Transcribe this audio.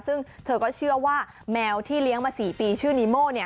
ซึ่งเธอก็เชื่อว่าแมวที่เลี้ยงมา๔ปีชื่อนีโม่